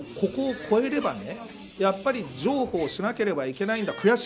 ここを越えればやはり譲歩をしなければいけない。